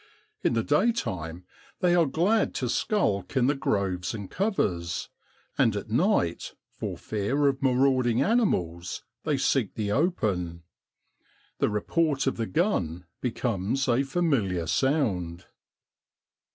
In the daytime they are glad to skulk in the groves and covers, and at night, for fear of marauding animals, they seek the open. The report of the gun becomes a familiar sound.